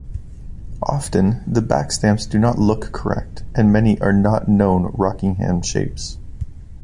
Often the backstamps do not look correct, and many are not known Rockingham shapes.